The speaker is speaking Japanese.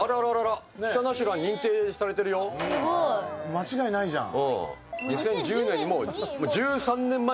間違いないじゃん。